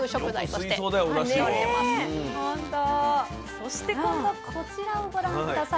そして今度こちらをご覧下さい。